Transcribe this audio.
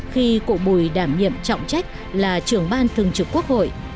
khi cụ bùi đảm nhiệm trọng trách là trưởng ban thường trực quốc hội